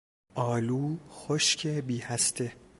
آلو خشک بی هسته